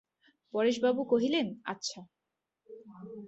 পরেশবাবু কহিলেন, আচ্ছা।